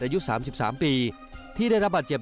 อายุ๓๓ปีที่ได้รับบาดเจ็บ